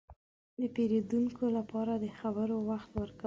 – د پېرودونکو لپاره د خبرو وخت ورکول.